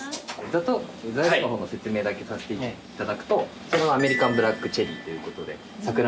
ざっと材料の方の説明だけさせていただくとこちらアメリカンブラックチェリーということで桜の木。